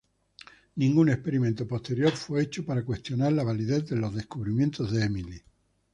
Ningún experimento posterior fue hecho para cuestionar la validez de los descubrimientos de Emily.